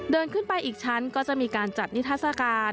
เดินขึ้นไปอีกชั้นก็จะมีการจัดนิทัศกาล